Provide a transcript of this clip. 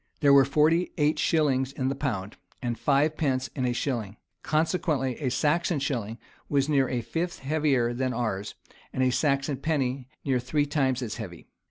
There were forty eight shillings in the pound, and five pence in a shilling;[] consequently a Saxon shilling was near a fifth heavier than ours, and a Saxon penny near three times as heavy.